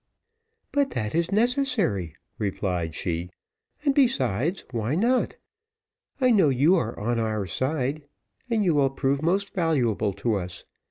"But that is necessary," replied she; "and besides, why not? I know you are on our side, and you will prove most valuable to us.